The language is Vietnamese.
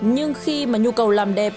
nhưng khi mà nhu cầu làm đẹp